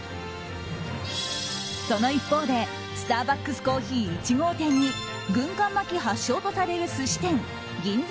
その一方でスターバックスコーヒー１号店に軍艦巻き発祥とされる寿司店銀座